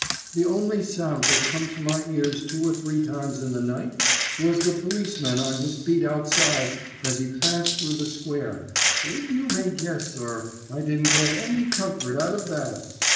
The only sound that come to my ears two or three times in the night was the policeman on his beat outside as he passed through the square, and you may guess, sir, I didn't get any comfort out of that.